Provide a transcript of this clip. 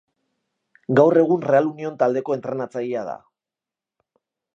Gaur egun Real Union taldeko entrenatzailea da.